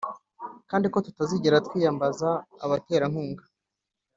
Kandi ko tutazigera twiyambaza abaterankunga